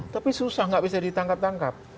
tapi susah nggak bisa ditangkap tangkap